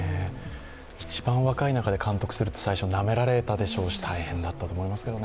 一番若い中で監督するって、最初なめられたでしょうし大変だったと思いますけどね。